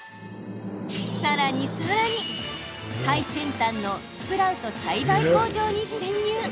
さらにさらに最先端のスプラウト栽培工場に潜入。